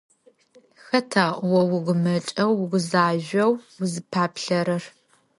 Хэта о угумэкӀэу угузажъоу узыпаплъэрэр?